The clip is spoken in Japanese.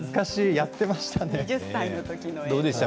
やっていました。